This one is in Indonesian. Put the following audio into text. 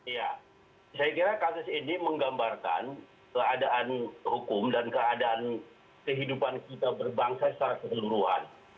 ya saya kira kasus ini menggambarkan keadaan hukum dan keadaan kehidupan kita berbangsa secara keseluruhan